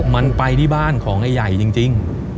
มันไปที่บ้านของไอ้ใหญ่จริง